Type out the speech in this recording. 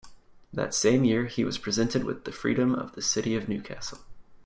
That same year he was presented with the Freedom of the City of Newcastle.